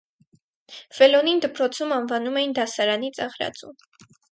Ֆելոնին դպրոցում անվանում էին «դասարանի ծաղրածու»։